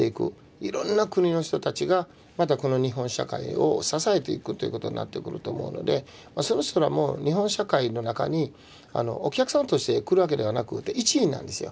いろんな国の人たちがまたこの日本社会を支えていくということになってくると思うのでそれすらも日本社会の中にお客さんとして来るわけではなくて一員なんですよ。